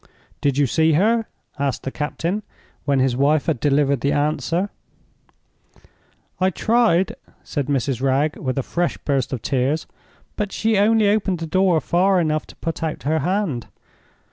"Did you see her?" asked the captain, when his wife had delivered the answer. "I tried," said Mrs. Wragge, with a fresh burst of tears—"but she only opened the door far enough to put out her hand.